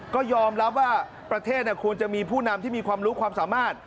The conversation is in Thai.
ก็ยอมรับว่าประเทศควรจะมีผู้นำที่มีความรู้ความสามารถ